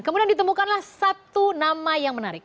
kemudian ditemukanlah satu nama yang menarik